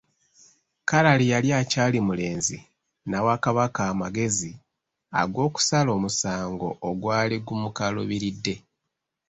Kalali yali akyali mulenzi, n'awa Kabaka amagezi ag'okusala omusango ogwali gumukaluubiridde.